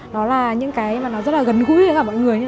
nó là những cái mà nó rất là gần gũi với cả mọi người